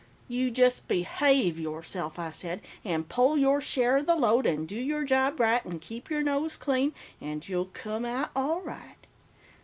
"'You just behave yourself,' I said, 'and pull your share of the load and do your job right and keep your nose clean, and you'll come out all right.